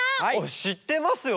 しってますよ。